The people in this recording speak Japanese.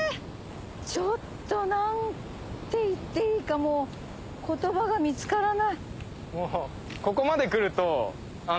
ちょっと何て言っていいかもう言葉が見つからない。